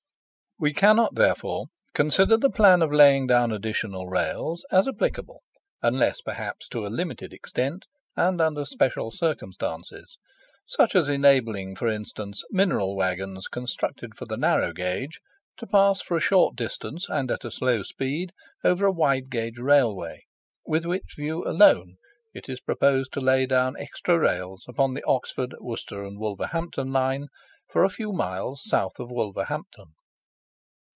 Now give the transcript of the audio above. We cannot therefore consider the plan of laying down additional rails as applicable, unless perhaps to a limited extent and under special circumstances, such as enabling, for instance, mineral waggons constructed for the narrow gauge to pass for a short distance and at a slow speed over a wide gauge Railway; with which view alone it is proposed to lay down extra rails upon the Oxford, Worcester, and Wolverhampton line, for a few miles south of Wolverhampton.